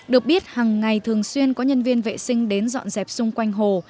được biết hằng ngày thường xuyên có nhân viên vệ sinh đến dọn dẹp xung quanh hồ